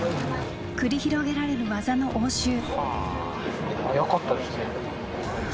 繰り広げられる技の応酬。